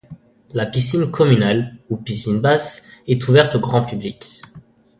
La piscine communale, ou piscine basse, est ouverte au grand public.